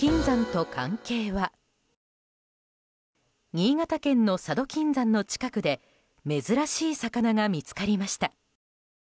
新潟県の佐渡金山の近くで珍しい魚が見つかりました。